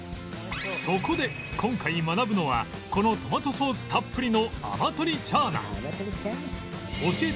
そこで今回学ぶのはこのトマトソースたっぷりのアマトリチャーナ